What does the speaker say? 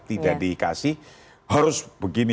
tidak dikasih harus begini